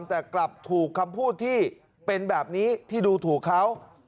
แต่กลับถูกคำพูดที่เป็นแบบนี้ที่ดูถูกเขา